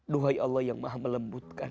duhai allah yang maha melembutkan